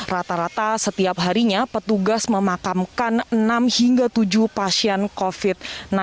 rata rata setiap harinya petugas memakamkan enam hingga tujuh pasien covid sembilan belas